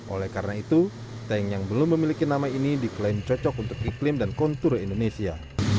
oleh karena itu tank yang belum memiliki nama ini diklaim cocok untuk iklim dan kontur indonesia